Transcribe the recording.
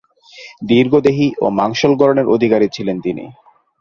দীর্ঘদেহী ও মাংসল গড়নের অধিকারী ছিলেন তিনি।